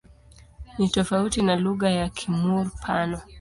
Ni tofauti na lugha ya Kimur-Pano.